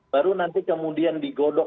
baru nanti kemudian digodok